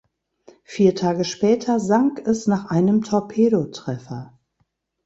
Vier Tage später sank es nach einem Torpedotreffer.